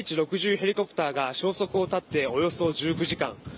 ヘリコプターが消息を絶って、およそ１９時間。